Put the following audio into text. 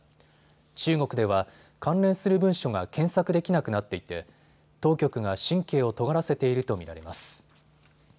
中国では関連する文書が検索できなくなっていて当局が神経をとがらせていると見られます。